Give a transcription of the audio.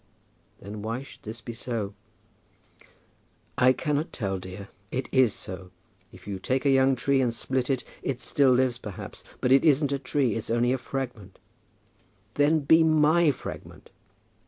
"Then why should this be so?" "I cannot tell, dear. It is so. If you take a young tree and split it, it still lives, perhaps. But it isn't a tree. It is only a fragment." "Then be my fragment."